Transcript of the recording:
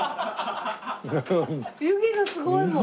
湯気がすごいもん。